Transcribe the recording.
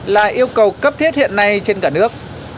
là yêu cầu cấp thiết hiện nay trên cả nước